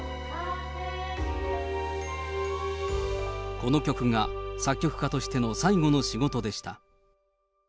この曲が作曲家としての最後の仕事でした。